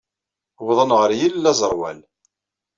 Wwḍen ɣer yilel aẓerwal.